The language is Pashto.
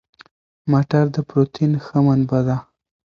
مټر د پروتین ښه منبع ده.